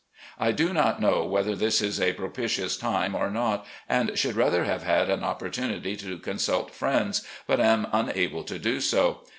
I do not know whether this is a propitious time or not, and should rather have had an opportunity to consult friends, but am unable to do so.